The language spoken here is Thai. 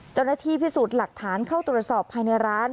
เจ้าหน้าที่พิสูจน์หลักฐานเข้าตรวจสอบภายในร้าน